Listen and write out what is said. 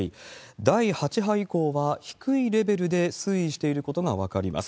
第８波以降は、低いレベルで推移していることが分かります。